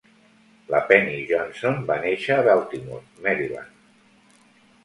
La Penny Johnson va néixer a Baltimore, Maryland.